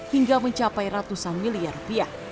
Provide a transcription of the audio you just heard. hingga mencapai ratusan miliar rupiah